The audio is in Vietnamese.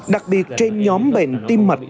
đặc biệt trên nhóm bệnh tim mạch